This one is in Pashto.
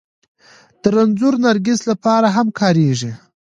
د رنځور نرګس لپاره هم کارېږي